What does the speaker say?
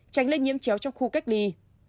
tránh lây nhiễm chéo trong khu cách ly